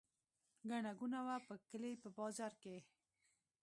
ګڼه ګوڼه وه په کلي په بازار کې.